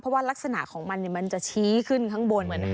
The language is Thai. เพราะว่ารักษณะของมันมันจะชี้ขึ้นข้างบน